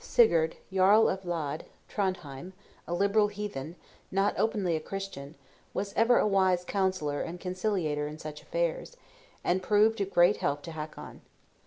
Sigurd, Jarl of Lade (Trondhjem), a liberal heathen, not openly a Christian, was ever a wise counsellor and conciliator in such affairs; and proved of great help to Hakon.